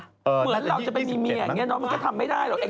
เหมือนเราจะไปมีเมียอย่างนี้เนาะมันก็ทำไม่ได้หรอก